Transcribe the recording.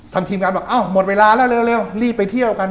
ทีมงานบอกอ้าวหมดเวลาแล้วเร็วรีบไปเที่ยวกัน